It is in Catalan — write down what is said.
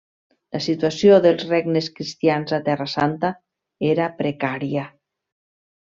La situació dels regnes cristians a Terra Santa era precària.